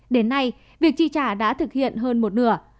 đến nay việc tri trả đã thực hiện hơn một nửa